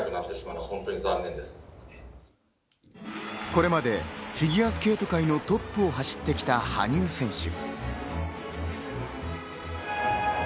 これまでフィギュアスケート界のトップを走ってきた羽生選手。